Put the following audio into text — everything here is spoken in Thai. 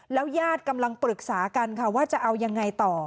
ญาติกำลังปรึกษากันค่ะว่าจะเอายังไงต่อ